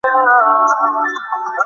দেখা যায় না কেন তাহলে?